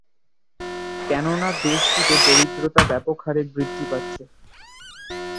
কেননা দেশটিতে দারিদ্রতা ব্যাপকহারে বৃদ্ধি পাচ্ছে।